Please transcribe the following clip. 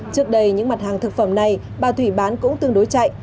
trước đây những mặt hàng thực phẩm này bà thủy bán cũng tương đối chạy